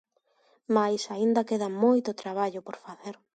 Máis aínda queda moito traballo por facer.